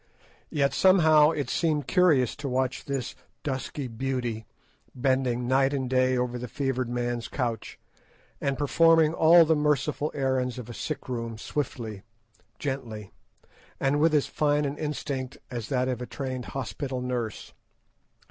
Yet somehow it seemed curious to watch this dusky beauty bending night and day over the fevered man's couch, and performing all the merciful errands of a sick room swiftly, gently, and with as fine an instinct as that of a trained hospital nurse.